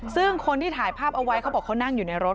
ซึ่งคนที่ถ่ายภาพเอาไว้เขาบอกเขานั่งอยู่ในรถ